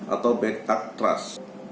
atau back up trust